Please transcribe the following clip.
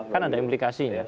kan ada implikasinya